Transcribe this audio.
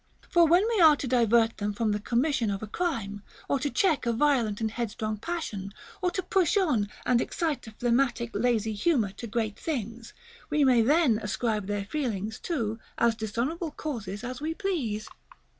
For when we are to divert them from the commission of a crime, or to check a violent and headstrong passion, or to push on and excite a phlegmatic lazy humor to great things, we may then ascribe their failings to as dishonorable causes as we please.